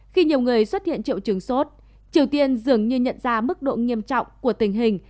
khi nhiều người xuất hiện triệu chứng sốt triều tiên dường như nhận ra mức độ nghiêm trọng của tình hình